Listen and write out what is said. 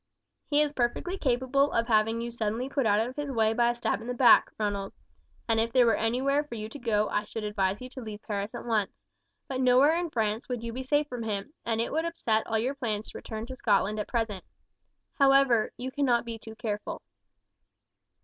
"He is perfectly capable of having you suddenly put out of his way by a stab in the back, Ronald. And if there were anywhere for you to go I should advise you to leave Paris at once; but nowhere in France would you be safe from him, and it would upset all your plans to return to Scotland at present. However, you cannot be too careful."